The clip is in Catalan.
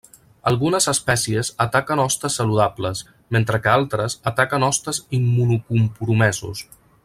Algunes espècies ataquen hostes saludables, mentre que altres ataquen hostes immunocompromesos.